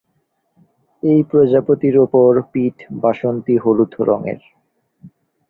এই প্রজাপতির ওপর পিঠ বাসন্তী হলুদ রঙের।